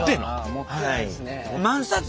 持ってないですね。